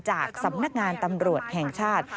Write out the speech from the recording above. จากสำนักงานตำรวจแห่งชาติ